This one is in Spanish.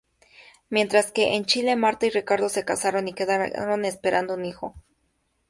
Mientras que, en Chile, Marta y Ricardo se casaron y quedaron esperando un hijo.